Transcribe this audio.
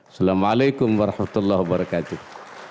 assalamu'alaikum warahmatullahi wabarakatuh